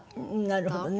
なるほどね。